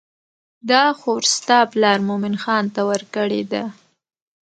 دا خور ستا پلار مومن خان ته ورکړې ده.